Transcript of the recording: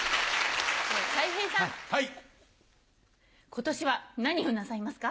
今年は何をなさいますか？